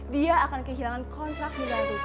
dia akan kehilangan kontrak dengan dukunya